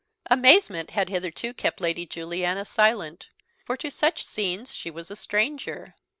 Amazement had hitherto kept Lady Juliana silent; for to such scenes she was a stranger.